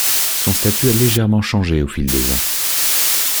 Son statut a légèrement changé au fil des ans.